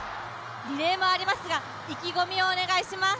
リレーもありますが意気込みをお願いします。